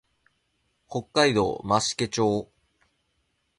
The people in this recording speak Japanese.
北海道増毛町